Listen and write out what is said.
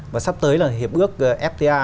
và sắp tới là hiệp ước fta